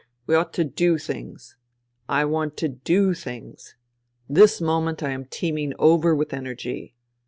" We ought to do things. I want to do things. This moment I am teeming over with energy.